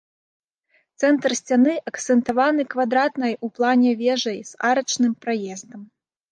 Цэнтр сцяны акцэнтаваны квадратнай у плане вежай з арачным праездам.